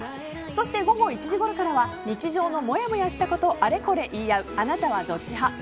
そして午後１時ごろからは日常のもやもやしたことをあれこれ言い合うアナタはどっち派？